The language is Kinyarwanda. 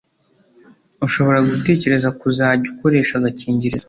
ushobora gutekereza kuzajya ukoresha agakingirizo